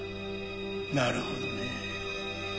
なるほどね。